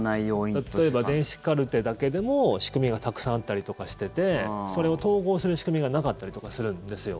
例えば電子カルテだけでも仕組みがたくさんあったりとかしててそれを統合する仕組みがなかったりとかするんですよ。